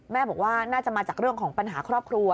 แม่บอกว่าน่าจะมาจากเรื่องของปัญหาครอบครัว